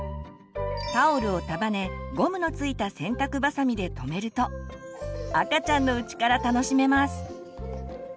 タオルを束ねゴムの付いた洗濯ばさみでとめると赤ちゃんのうちから楽しめます。